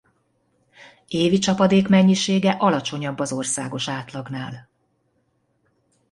Évi csapadékmennyisége alacsonyabb az országos átlagnál.